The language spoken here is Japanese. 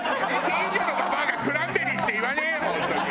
近所のババアがクランベリーって言わねえよ